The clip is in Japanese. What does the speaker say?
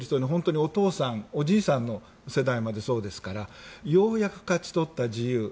本当にお父さん、お爺さんの世代までそうですからようやく勝ち取った自由